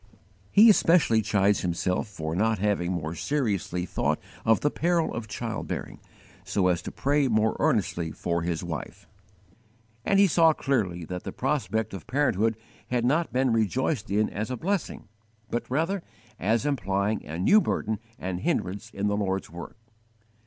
He especially chides himself for not having more seriously thought of the peril of child bearing, so as to pray more earnestly for his wife; and he saw clearly that the prospect of parenthood had not been rejoiced in as a blessing, but rather as implying a new burden and hindrance in the Lord's work.